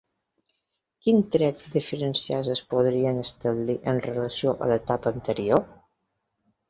Quins trets diferencials es podrien establir en relació amb l'etapa anterior?